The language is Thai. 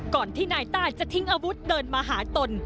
ก่อนที่นายต้าจะทิ้งอาวุธเดินมาหาตน